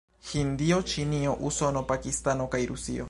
Hindio, Ĉinio, Usono, Pakistano kaj Rusio.